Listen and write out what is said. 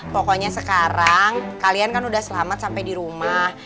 pokoknya sekarang kalian kan udah selamat sampai di rumah